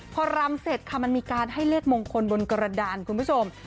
พอรำเสร็จค่ะมันมีการให้เลขมงคลบนกระดานคุณผู้ชม